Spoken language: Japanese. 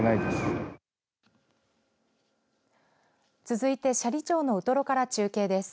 続いて斜里町のウトロから中継です。